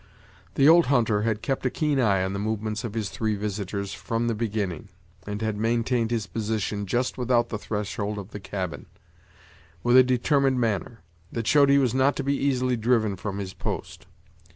The old hunter had kept a keen eye on the movements of his three visitors, from the beginning, and had maintained his position, just without the threshold of the cabin, with a determined manner, that showed he was not to be easily driven from his post.